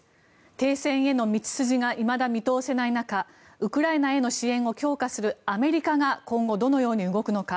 停戦への道筋がいまだ見通せない中ウクライナへの支援を強化するアメリカが今後、どのように動くのか。